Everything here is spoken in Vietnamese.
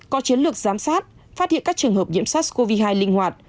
có chiến lược giám sát phát hiện các trường hợp nhiễm sát covid một mươi chín linh hoạt